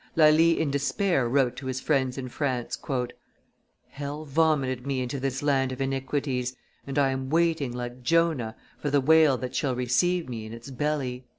Lally in despair wrote to his friends in France, "Hell vomited me into this land of iniquities, and I am waiting, like Jonah, for the whale that shall receive me in its belly."